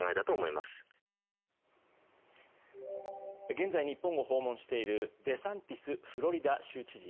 現在、日本を訪問しているデサンティスフロリダ州知事。